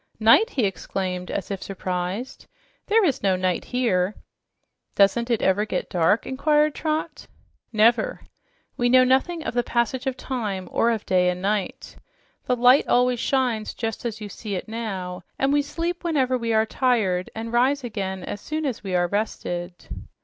"Night!" he exclaimed as if surprised. "There is no night here." "Doesn't it ever get dark?" inquired Trot. "Never. We know nothing of the passage of time or of day or night. The light always shines just as you see it now, and we sleep whenever we are tired and rise again as soon as we are rested."